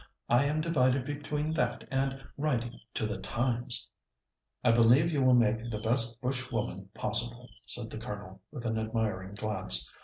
I am divided between that and writing to the Times." "I believe you will make the best bush woman possible," said the Colonel, with an admiring glance.